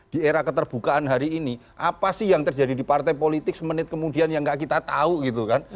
di era keterbukaan hari ini apa sih yang terjadi di partai politik semenit kemudian yang gak kita tahu gitu kan